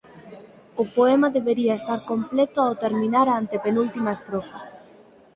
O poema debería estar completo ao terminar a antepenúltima estrofa.